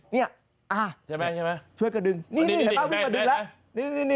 นี่ช่วยกระดึงนี่แผ้ววิ่งกระดึกแล้ว